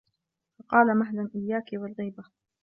فَقَالَ مَهْلًا إيَّاكِ وَالْغِيبَةَ